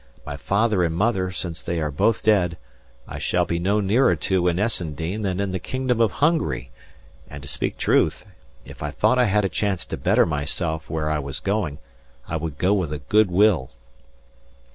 My father and mother, since they are both dead, I shall be no nearer to in Essendean than in the Kingdom of Hungary, and, to speak truth, if I thought I had a chance to better myself where I was going I would go with a good will."